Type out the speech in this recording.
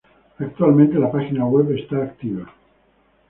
Actualmente la página web está activa.